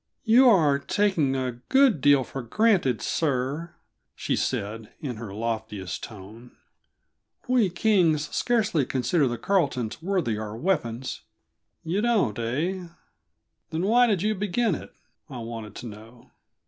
"You are taking a good deal for granted, sir," she said, in her loftiest tone. "We Kings scarcely consider the Carletons worthy our weapons." "You don't, eh? Then, why did you begin it?" I wanted to know.